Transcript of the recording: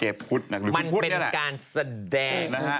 หรือคุณพุทธนี่แหละมันเป็นการแสดง